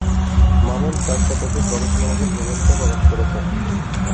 মামুন চার শতাধিক গবেষণামূলক নিবন্ধ প্রকাশ করেছেন।